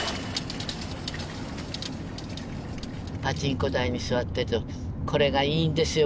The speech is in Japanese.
パチンコ台に座ってるとこれがいいんですよ